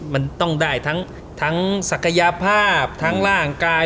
มันต้องได้ทั้งศักยภาพทั้งร่างกาย